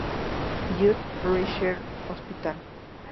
Jude Research Hospital.